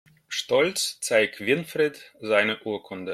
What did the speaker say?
Stolz zeigt Winfried seine Urkunde.